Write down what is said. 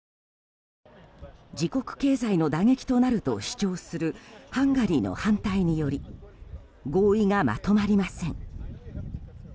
自国経済への打撃となると主張するハンガリーの反対により合意がまとまりません。